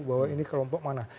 bahwa ini kelompok mana